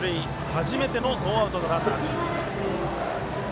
初めてのノーアウトのランナー。